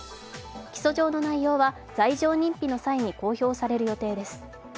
起訴状の内容は、罪状認否の際に公表される予定です。